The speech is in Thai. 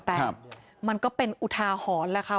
แต่มันก็เป็นอุทาหรณ์นะคะ